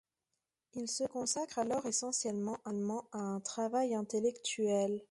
Il se consacre alors essentiellement à un travail intellectuel.